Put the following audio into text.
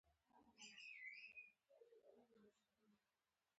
ټول قومونه افغانان دي